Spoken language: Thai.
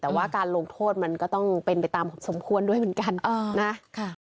แต่ว่าการลงโทษมันก็ต้องเป็นไปตามสมควรด้วยเหมือนกันนะ